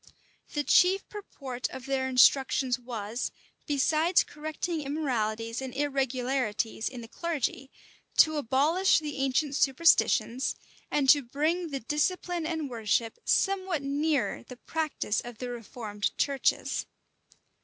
The chief purport of their instructions was, besides correcting immoralities and irregularities in the clergy, to abolish the ancient superstitions, and to bring the discipline and worship somewhat nearer the practice of the reformed churches.